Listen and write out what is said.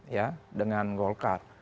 ya dengan golkar